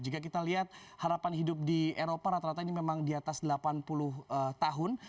jika kita lihat harapan hidup di eropa rata rata ini memang di atas delapan puluh tahun